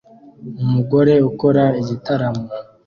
Umugore ukora igitaramo